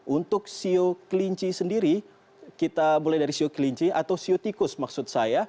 untuk siu kelinci sendiri kita mulai dari siu kelinci atau siu tikus maksud saya